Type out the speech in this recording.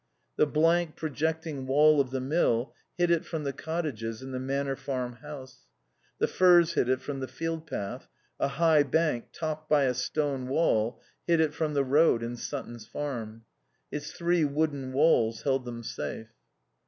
The blank, projecting wall of the mill hid it from the cottages and the Manor Farm house; the firs hid it from the field path; a high bank, topped by a stone wall, hid it from the road and Sutton's Farm. Its three wooden walls held them safe.